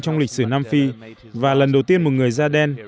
trong lịch sử nam phi và lần đầu tiên một người da đen